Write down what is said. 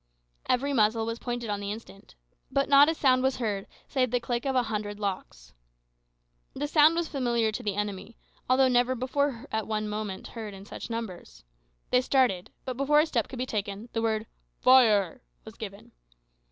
Every muzzle was pointed on the instant, but not a sound was heard save the click of a hundred locks. The sound was familiar to the enemy, although never before heard at one moment in such numbers. They started; but before a step could be taken, the word "Fire" was given.